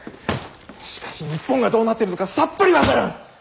しかし日本がどうなっているのかさっぱり分からん。